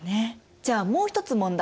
じゃあもう一つ問題。